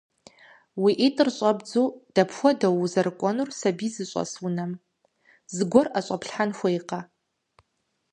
Уи ӏитӏыр щӏэбдзу дэпхуэдэу узэрыкӏуэнур сэбий зыщӏэс унэм? Зыгуэр ӏэщӏэплъхэн хуейкъэ?